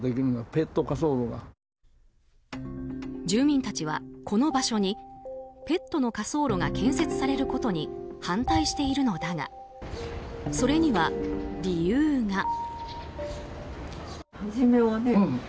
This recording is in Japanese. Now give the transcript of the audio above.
住民たちは、この場所にペットの火葬炉が建設されることに反対しているのだがそれには理由が。